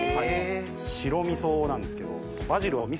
白味噌なんですけど。